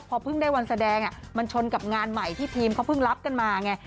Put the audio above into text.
พอเพิ่งได้วันแสดงมันชนกับงานใหม่ที่ทีมเขาเพิ่งรับกันมาไง